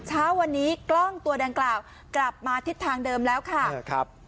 เช้าวันนี้กล้องตัวดังกล่าวกลับมาทิศทางเดิมแล้วค่ะ